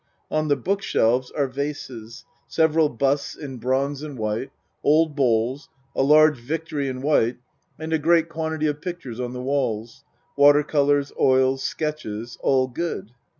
On the book shelves are vases, several busts in 7 8 A MAN'S WORLD bronz and white old bowls, a large Victory in white, and a great quantity of pictures on the walls water colors, oils, sketches all good.